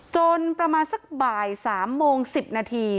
จนประมาณสักบ่าย๓โมง๑๐นาที